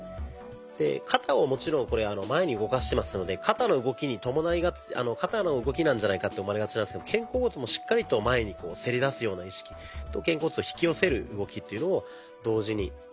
で肩をもちろんこれ前に動かしてますので肩の動きなんじゃないかと思われがちなんですけど肩甲骨もしっかりと前にせり出すような意識と肩甲骨を引き寄せる動きというのを同時にやっています。